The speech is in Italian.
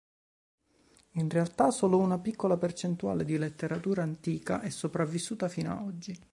In realtà, solo una piccola percentuale di letteratura antica è sopravvissuta fino ad oggi.